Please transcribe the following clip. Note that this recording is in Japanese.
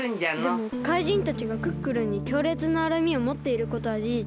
でも怪人たちがクックルンにきょうれつなうらみをもっていることはじじつ。